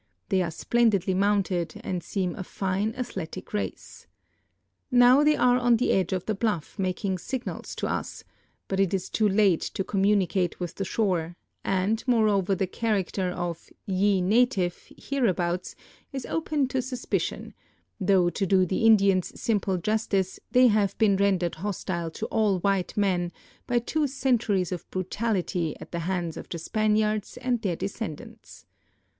They are splendidly mounted and seem a fine, athletic race. Now the}^ are on the edge of the bluff' making signals to us, but it is too late to communicate with the shore, and, more over, the character of " ye native " hereabouts is open to suspi cion, though to do the Indians simple justice they have been rendered hostile to all white men by two centuries of brutality at the hands of the Spaniards and their descendants.